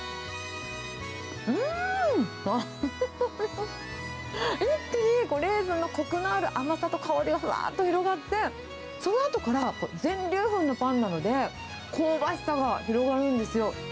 うーん、一気にレーズンのこくのある甘さと香りがふわーっと広がって、そのあとから全粒粉のパンなので、香ばしさが広がるんですよ。